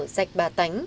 sạch bà tánh